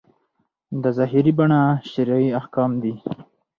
دا ظاهري بڼه شرعي احکام دي.